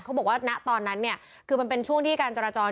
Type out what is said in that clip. เขาบอกว่าณตอนนั้นเนี่ยคือมันเป็นช่วงที่การจราจร